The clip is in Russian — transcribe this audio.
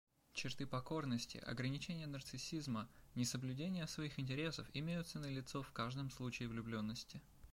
Черты покорности, ограничения нарциссизма, несоблюдения своих интересов имеются налицо в каждом случае влюбленности.